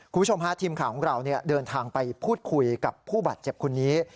คุณผู้ชมฮะทีมข่าวของเราเดินทางไปพูดคุยกับผู้บาดเจ็บคนนี้